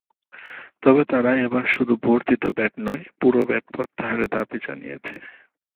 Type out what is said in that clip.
তবে তাঁরা এবার শুধু বর্ধিত ভ্যাট নয়, পুরো ভ্যাট প্রত্যাহারের দাবি জানিয়েছেন।